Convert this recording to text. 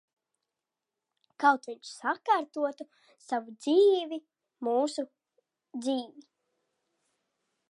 Kaut viņš sakārtotu savu dzīvi. Mūsu dzīvi.